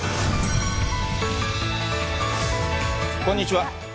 こんにちは。